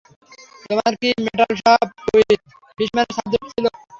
তোমার কি metal shop with ফিশম্যানের সাব্জেক্ট ছিলো?